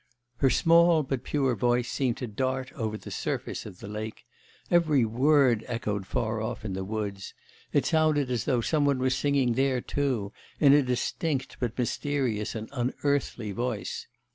Her small, but pure voice, seemed to dart over the surface of the lake; every word echoed far off in the woods; it sounded as though some one were singing there, too, in a distinct, but mysterious and unearthly voice.